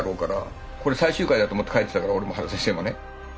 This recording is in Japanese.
これ最終回だと思って書いてたから俺も原先生もね。